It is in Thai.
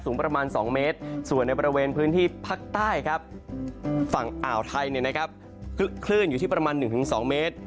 ส่วนในบริเวณพื้นที่ภาคใต้ฝั่งอ่าวไทยคลื่นอยู่ที่ประมาณ๑๒เมตร